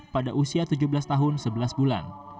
pada usia tujuh belas tahun sebelas bulan